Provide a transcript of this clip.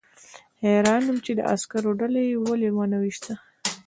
حیران وم چې د عسکرو ډله یې ولې ونه ویشته